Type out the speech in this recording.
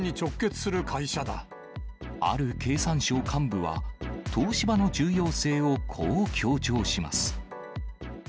ある経産省幹部は、東芝の重要性をこう強調します。